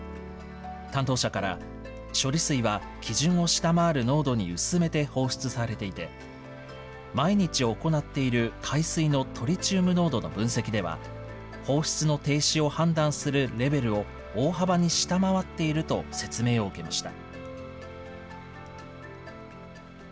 担当者から、処理水は基準を下回る濃度に薄めて放出されていて、毎日行っている海水のトリチウム濃度の分析では、放出の停止を判断するレベルを大幅に下回っていると説明を受けました。